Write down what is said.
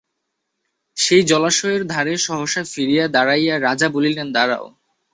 সেই জলাশয়ের ধারে সহসা ফিরিয়া দাঁড়াইয়া রাজা বলিলেন, দাঁড়াও!